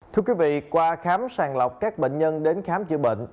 thưa quý vị qua khám sàng lọc các bệnh nhân đến khám chữa bệnh